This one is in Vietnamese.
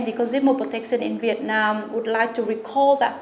và công nghiệp phòng chống dịch việt nam muốn nhớ sản phẩm đó